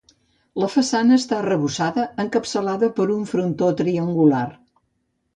La façana està arrebossada, encapçalada per un frontó triangular.